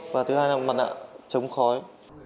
và thứ hai là mặt nạ chống khói